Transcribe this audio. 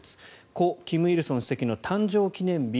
故・金日成主席の誕生記念日